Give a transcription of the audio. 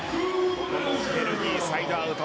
ここもベルギー、サイドアウト。